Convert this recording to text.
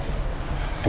emang dia kenapa